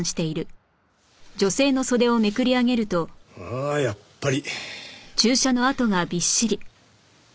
ああやっぱり。